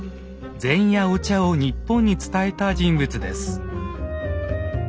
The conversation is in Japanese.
禅やお茶を日本に伝えた人物です。